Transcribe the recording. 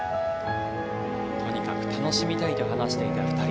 とにかく楽しみたいと話していた２人。